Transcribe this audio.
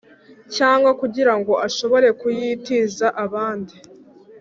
Cyangwa kugira ngo ashobore kuyitiza abandi